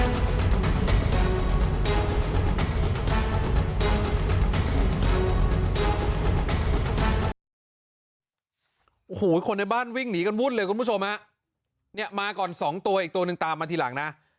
โอ้โหคนในบ้านวิ่งหนีกันวุ่นเลยคุณผู้ชมฮะเนี่ยมาก่อนสองตัวอีกตัวหนึ่งตามมาทีหลังนะ